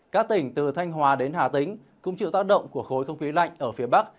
các tỉnh từ thanh hóa đến hà tĩnh cũng chịu tác động của khối không khí lạnh ở phía bắc